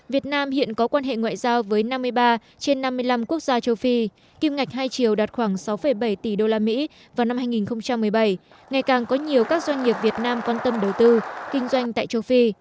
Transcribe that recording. việt nam hiện có quan hệ ngoại giao với năm mươi ba trên năm mươi năm quốc gia châu phi kim ngạch hai triệu đạt khoảng sáu bảy tỷ usd vào năm hai nghìn một mươi bảy ngày càng có nhiều các doanh nghiệp việt nam quan tâm đầu tư kinh doanh tại châu phi